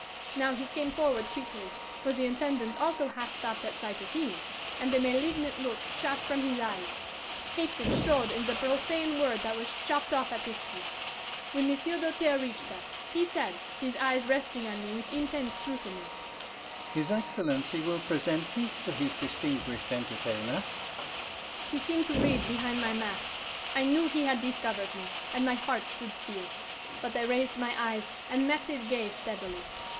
"Now he came forward quickly, for the Intendant also half stopped at sight of him, and a malignant look shot from his eyes; hatred showed in the profane word that was chopped off at his teeth. When Monsieur Doltaire reached us, he said, his eyes resting on me with intense scrutiny, 'His Excellency will present me to his distinguished entertainer?' He seemed to read behind my mask. I knew he had discovered me, and my heart stood still. But I raised my eyes and met his gaze steadily.